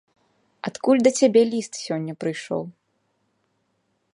Адкуль да цябе ліст сёння прыйшоў?